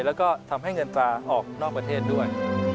แล้วก็ทำให้เงินตราออกนอกประเทศด้วย